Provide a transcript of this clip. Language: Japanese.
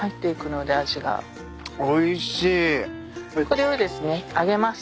これをですね揚げます。